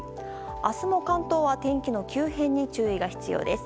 明日も関東は天気の急変に注意が必要です。